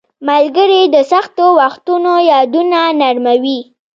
• ملګري د سختو وختونو یادونه نرموي.